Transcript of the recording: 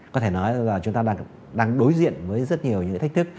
chúng ta đang đối diện với rất nhiều thách thức